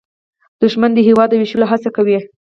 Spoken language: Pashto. دښمنان د هېواد د ویشلو هڅه کوي